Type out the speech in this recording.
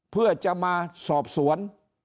เพื่อจะมาสอบสวน